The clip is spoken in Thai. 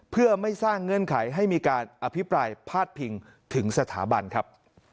เพื่อไม่สร้างเงื่อนไขให้มีการอภิปรายพาดพิงถึงสถาบันครับ